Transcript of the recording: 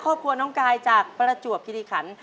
ครอบครัวน้องกายจากประจวบคิริขัน